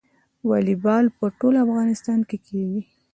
والیبال په ټول افغانستان کې کیږي.